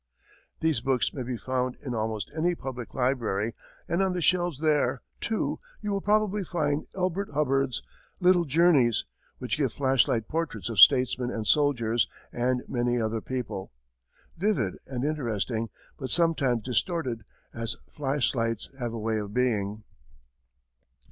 These books may be found in almost any public library, and on the shelves there, too, you will probably find Elbert Hubbard's "Little Journeys," which give flashlight portraits of statesmen and soldiers and many other people, vivid and interesting, but sometimes distorted, as flashlights have a way of being.